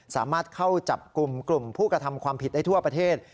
สามารถเข้าจับกลุ่มกลุ่มผู้กระทำความผิดได้ทั่วประเทศ